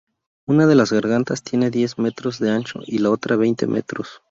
Una de las gargantas tiene diez metros de ancho y la otra veinte metros.